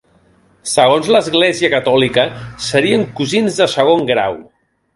Segons l'Església Catòlica, serien cosins de segon grau.